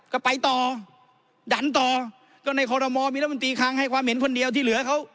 ก็ไปต่อดันต่อก็ในคอรมอลมีรัฐมนตรีคลังให้ความเห็นคนเดียวที่เหลือเขา